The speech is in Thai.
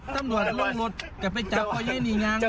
ตำรวจลงรถก็ไปจับเพราะเยี่ยมหนียางมาก